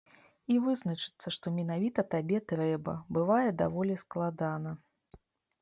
І вызначыцца, што менавіта табе трэба, бывае даволі складана.